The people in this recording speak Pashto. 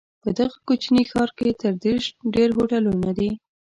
په دغه کوچني ښار کې تر دېرش ډېر هوټلونه دي.